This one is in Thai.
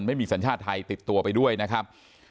ไม่มีสัญชาติไทยติดตัวไปด้วยนะครับ